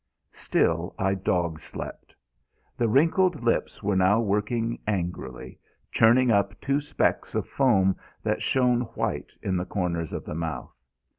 Still I dog slept. The wrinkled lips were now working angrily, churning up two specks of foam that shone white in the corners of the mouth.